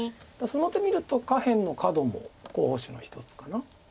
その手見ると下辺のカドも候補手の一つかな。